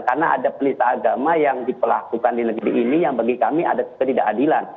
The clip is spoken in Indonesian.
karena ada pelisah agama yang diperlakukan di negeri ini yang bagi kami adalah tidak adilan